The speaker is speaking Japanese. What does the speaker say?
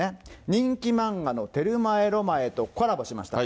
人気漫画のテルマエ・ロマエとコラボしました。